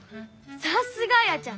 さすがあやちゃん！